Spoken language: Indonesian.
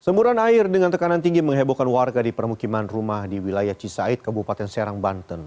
semburan air dengan tekanan tinggi menghebohkan warga di permukiman rumah di wilayah cisaid kabupaten serang banten